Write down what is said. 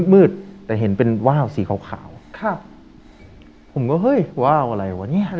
มืดแต่เห็นเป็นว่าวสีขาวขาวครับผมก็เฮ้ยว้าวอะไรวะเนี่ย